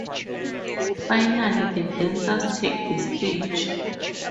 Finally, the dancers take the stage.